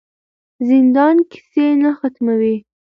زندان کیسې نه ختموي.